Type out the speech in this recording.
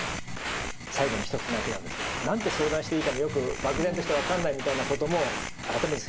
最後に一つだけなんですけど何て相談していいかもよく漠然として分かんないみたいなことも改めてですけど相談して大丈夫ですか？